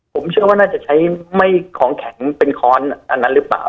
ผมเชื่อว่าน่าจะใช้ไม่ของแข็งเป็นค้อนอันนั้นหรือเปล่า